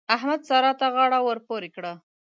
احمد؛ سارا ته غاړه ور پورې کړه.